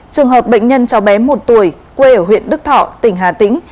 trường hợp bệnh nhân cháu bé một tuổi quê ở huyện đức thọ tỉnh hà tĩnh